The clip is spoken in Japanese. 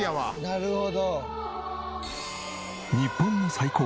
「なるほど」